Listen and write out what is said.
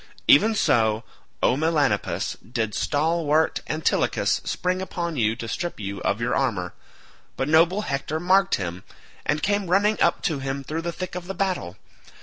Even so, O Melanippus, did stalwart Antilochus spring upon you to strip you of your armour; but noble Hector marked him, and came running up to him through the thick of the battle.